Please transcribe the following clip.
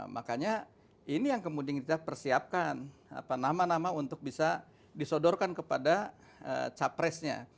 makanya ini yang kemudian kita persiapkan nama nama untuk bisa disodorkan kepada capresnya